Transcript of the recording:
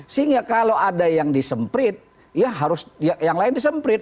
sehingga kalau ada yang disemprit ya harus yang lain disemprit